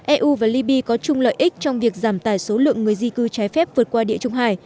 eu và libya có chung lợi ích trong việc giảm tải số lượng người di cư trái phép vượt qua địa trung hải